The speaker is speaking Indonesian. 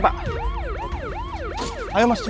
opera hal mesra lagi